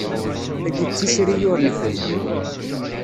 Tagi d tisri ur nefri.